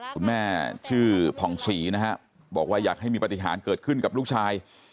คุณแม่ชื่อผ่องศรีนะฮะบอกว่าอยากให้มีปฏิหารเกิดขึ้นกับลูกชาย